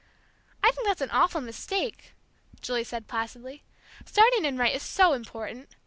"I think that's an awful mistake," Julie said placidly. "Starting in right is so important.